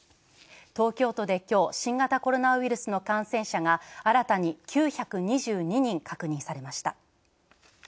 東京都で今日、新型コロナの感染者が新たに９２２人確認されました。